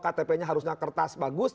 ktp nya harusnya kertas bagus